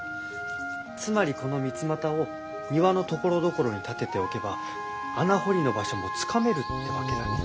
つまりこの三叉を庭のところどころに立てておけば穴掘りの場所もつかめるってわけだね。